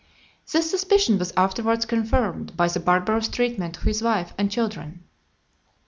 This suspicion was afterwards confirmed by the barbarous treatment of his wife and children. (225) LIII.